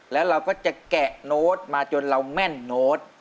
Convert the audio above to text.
แล้วเราก็จะแกะโน้ตมาจนเราแม่นโน้ต